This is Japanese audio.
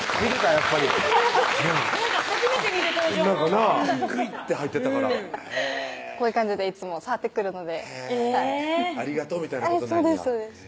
やっぱり初めて見る登場もグイッて入ってたからへぇこういう感じでいつも触ってくるので「ありがとう」みたいなことなんやそうです